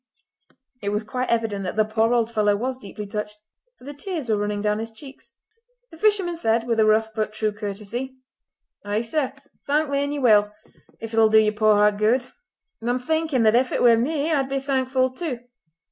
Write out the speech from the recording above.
It was quite evident that the poor old fellow was deeply touched, for the tears were running down his cheeks. The fisherman said, with a rough but true courtesy: "Ay, sir! thank me and ye will—if it'll do yer poor heart good. An' I'm thinking that if it were me I'd be thankful too.